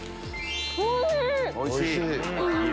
おいしい！